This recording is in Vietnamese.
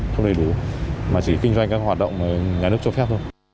không đầy đủ mà chỉ kinh doanh các hoạt động nhà nước cho phép thôi